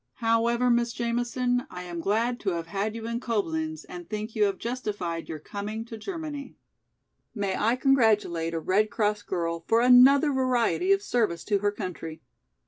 However, Miss Jamison I am glad to have had you in Coblenz and think you have justified your coming to Germany. May I congratulate a Red Cross girl for another variety of service to her country.